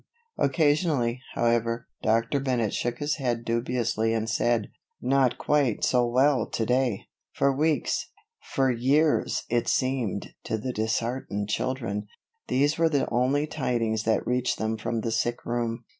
Occasionally, however, Dr. Bennett shook his head dubiously and said, "Not quite so well to day." For weeks for years it seemed to the disheartened children these were the only tidings that reached them from the sick room.